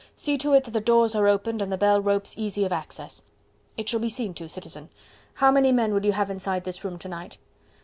See to it that the doors are opened and the bell ropes easy of access." "It shall be seen to, Citizen. How many men will you have inside this room to night?"